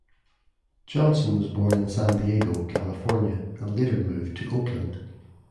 Johnson was born in San Diego, California and later moved to Oakland.